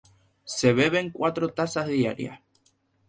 Se beben cuatro tazas diarias.